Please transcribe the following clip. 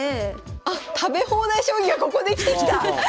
あ食べ放題将棋がここで生きてきた！